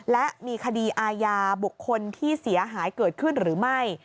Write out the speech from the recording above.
และมีคดีอาญาบุคคลที่เสียหายเกิดขึ้นหรือไม่